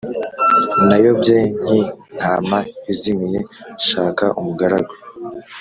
Nayobye nk intama izimiye Shaka umugaragu